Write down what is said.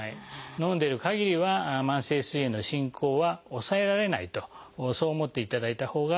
飲んでるかぎりは慢性すい炎の進行は抑えられないとそう思っていただいたほうがいいかなと思います。